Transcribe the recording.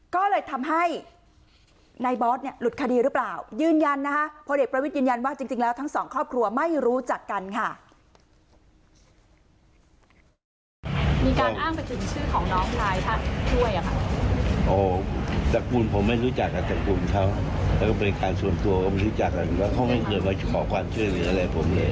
ก็เลยทำให้นายบอสเนี่ยหลุดคดีหรือเปล่ายืนยันนะคะพลเอกประวิทย์ยืนยันว่าจริงแล้วทั้งสองครอบครัวไม่รู้จักกันค่ะ